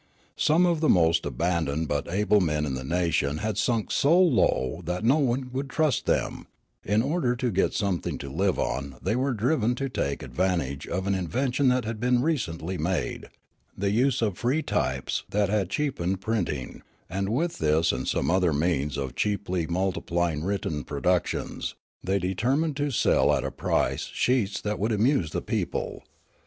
Some of the most abandoned but able men in the nation had sunk so low that no one would trust them ; in order to get something to live on the}' were driven to take advantage of an invention that had been recently made ; the use of free types had cheapened printing, and with this and some other means of cheaply multi plying written productions, they determined to sell at The Church and JournaHsm 8i a price sheets that would amuse the people.